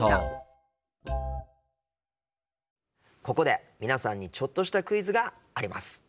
ここで皆さんにちょっとしたクイズがあります。